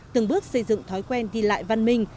từng bước xây dựng thói quen đi lại văn minh